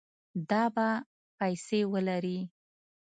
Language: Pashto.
دا به پیسې ولري